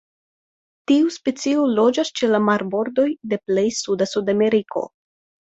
Tiu specio loĝas ĉe la marbordoj de plej suda Sudameriko.